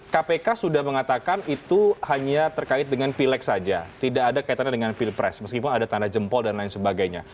kpk sudah mengatakan itu hanya terkait dengan pilek saja tidak ada kaitannya dengan pilpres meskipun ada tanda jempol dan lain sebagainya